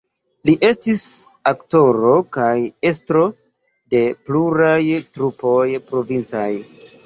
Li estis aktoro kaj estro de pluraj trupoj provincaj.